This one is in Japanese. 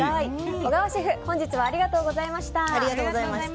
小川シェフ、本日はありがとうございました。